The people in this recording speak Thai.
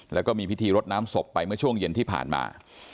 แล้วก็มีพิธีรดน้ำศพไปเมื่อช่วงเย็นที่ผ่านมา